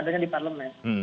adanya di parlemen